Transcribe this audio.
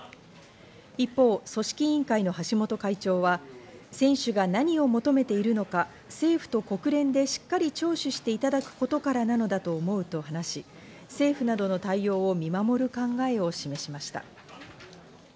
一方、組織委員会の橋本会長は選手が何を求めているのか、政府と国連でしっかり聴取していただくことからなのだと思うと話し、政府などの対応を見守る考えを示しました。